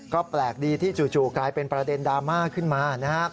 ก็แปลกดีที่จู่กลายเป็นประเด็นดราม่าขึ้นมานะครับ